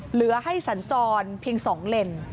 เหลือให้สัญจรเพียง๒เลน